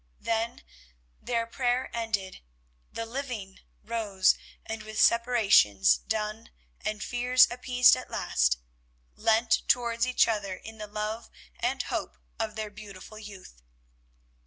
Then, their prayer ended, the living rose, and, with separations done and fears appeased at last, leant towards each other in the love and hope of their beautiful youth.